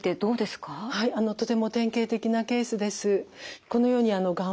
はいとても典型的なケースです。